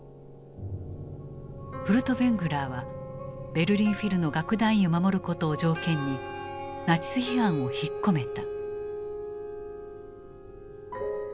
フルトヴェングラーはベルリン・フィルの楽団員を守ることを条件にナチス批判を引っ込めた。